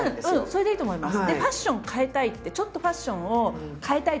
それでいいと思います。